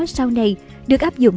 sau này được áp dụng